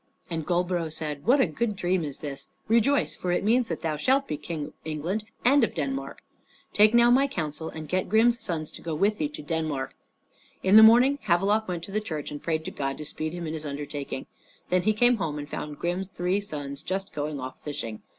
And Goldborough said, "What a good dream is this! Rejoice, for it means that thou shalt be king of England and of Denmark. Take now my counsel and get Grim's sons to go with thee to Denmark." In the morning Havelok went to the church and prayed to God to speed him in his undertaking. Then he came home and found Grim's three sons just going off fishing.